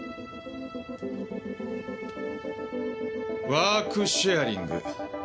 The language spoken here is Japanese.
ワークシェアリング。